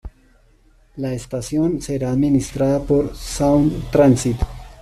La estación será administrada por Sound Transit.